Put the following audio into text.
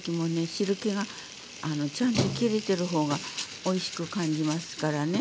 汁けがちゃんと切れてる方がおいしく感じますからね。